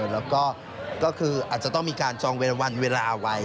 แล้วก็ก็คืออาจจะต้องมีการจองเวลาไว้